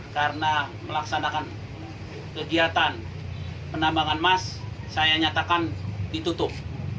karena melaksanakan kegiatan penambangan emas saya nyatakan ditutup